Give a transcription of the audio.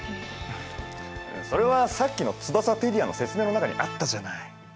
それはさっきのツバサペディアの説明の中にあったじゃない？